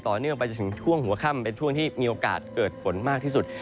เนื่องไปจนถึงช่วงหัวค่ำเป็นช่วงที่มีโอกาสเกิดฝนมากที่สุด